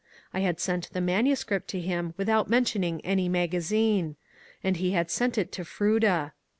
I had sent the manuscript to him without mentioning any magazine ; and he had sent it to Froude.